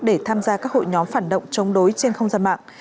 để tham gia các hội nhóm phản động chống đối trên không gian mạng